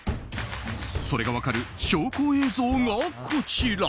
それが分かる証拠映像がこちら。